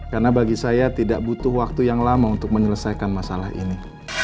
karena bagi saya tidak butuh waktu yang lama untuk menyelesaikan masalah ini